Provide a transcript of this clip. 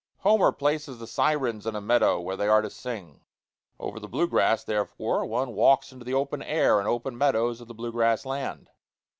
Homer places the sirens in a meadow when they are to sing. Over the blue grass, therefore, one walks into the open air and open meadows of the blue grass land.